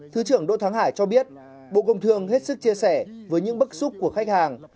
thứ trưởng đỗ thắng hải cho biết bộ công thương hết sức chia sẻ với những bức xúc của khách hàng